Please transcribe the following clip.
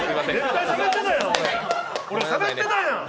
俺、しゃべってたやん。